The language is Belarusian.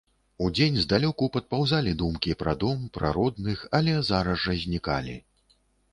Удзень здалёку падпаўзалі думкі пра дом, пра родных, але зараз жа знікалі.